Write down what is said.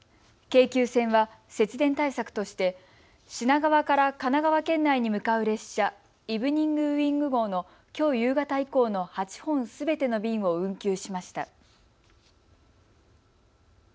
京急線は節電対策として品川から神奈川県内に向かう列車、イブニング・ウィング号のきょう夕方以降の８本すべての便を運休しました。